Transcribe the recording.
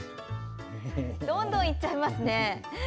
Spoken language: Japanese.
どんどんいっちゃいますね。